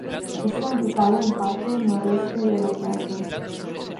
Está ubicado en la parte noroeste de la plaza.